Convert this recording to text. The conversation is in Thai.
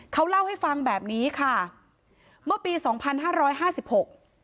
เขาเล่าให้ฟังแบบนี้ค่ะเมื่อปีสองพันห้าร้อยห้าสิบหก